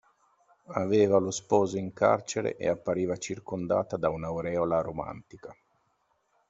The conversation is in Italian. Aveva lo sposo in carcere e appariva circondata da un'aureola romantica.